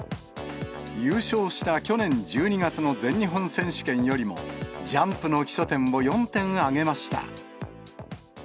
優勝した去年１２月の全日本選手権よりも、ジャンプの基礎点を４点上げました。